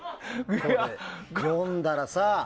読んだらさ